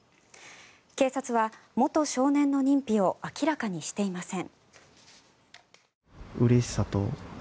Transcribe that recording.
警察は元少年の認否を明らかにしていません。